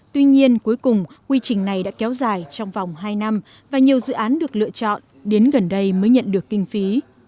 tuy nhiên cuối cùng quy trình này đã kéo dài trong vòng hai năm và nhiều dự án được lựa chọn đến gần đây mới nhận được kinh phí